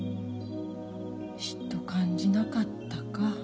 嫉妬感じなかったか。